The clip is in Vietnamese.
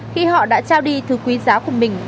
khi họ đã trao đi thứ quý giá của mình